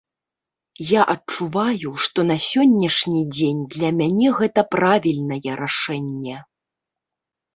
Я адчуваю, што на сённяшні дзень для мяне гэта правільнае рашэнне.